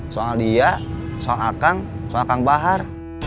soal dia soal akang soal kang bahar